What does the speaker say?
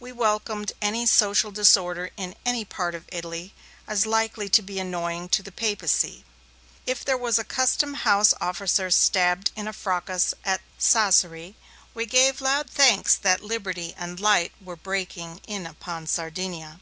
We welcomed any social disorder in any part of Italy, as likely to be annoying to the Papacy. If there was a custom house officer stabbed in a fracas at Sassari, we gave loud thanks that liberty and light were breaking in upon Sardinia.